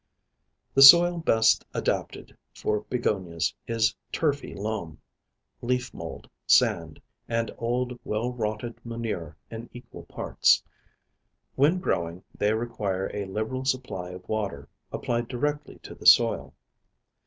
_ The soil best adapted for Begonias is turfy loam, leaf mold, sand, and old well rotted manure in equal parts. When growing, they require a liberal supply of water, applied directly to the soil.